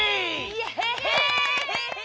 イエーイ！